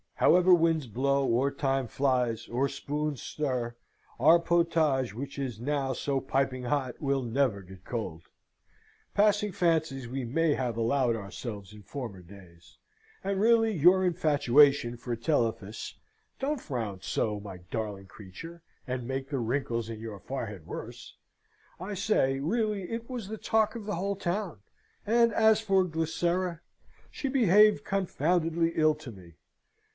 However winds blow, or time flies, or spoons stir, our potage, which is now so piping hot, will never get cold. Passing fancies we may have allowed ourselves in former days; and really your infatuation for Telephus (don't frown so, my darling creature! and make the wrinkles in your forehead worse) I say, really it was the talk of the whole town; and as for Glycera, she behaved confoundedly ill to me.